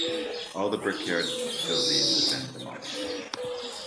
All the brickyard buildings have been demolished.